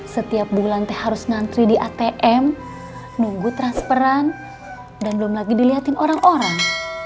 setiap bulan teh harus ngantri di atm nunggu transferan dan belum lagi dilihatin orang orang